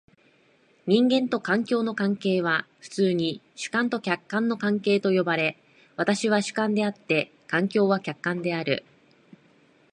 人間と環境の関係は普通に主観と客観の関係と呼ばれ、私は主観であって、環境は客観である。